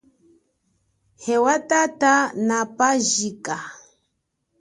Ewa tata na pandjika.